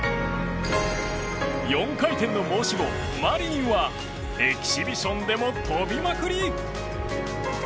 ４回転の申し子、マリニンはエキシビションでも跳びまくり。